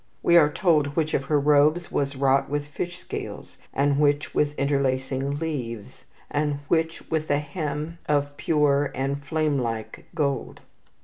We are told which of her robes was wrought with fish scales, and which with interlacing leaves, and which with a hem of pure and flame like gold.